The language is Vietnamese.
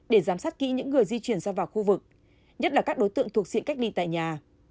để giám sát kỹ những người di chuyển ra vào khu vực nhất là các đối tượng thuộc diện cách ly tại nhà